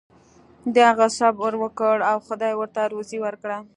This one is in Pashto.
هغه صبر وکړ او خدای ورته روزي ورکړه.